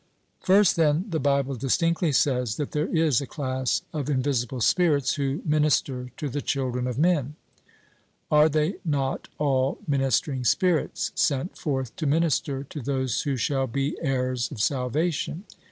First, then, the Bible distinctly says that there is a class of invisible spirits who minister to the children of men: "Are they not all ministering spirits, sent forth to minister to those who shall be heirs of salvation?"